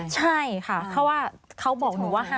ใช่ค่ะเขาบอกหนูว่า๕๐๐๐๐